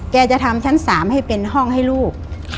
จะทำชั้น๓ให้เป็นห้องให้ลูก